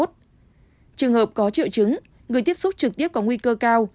trường hợp có triệu chứng người tiếp xúc trực tiếp có nguy cơ cao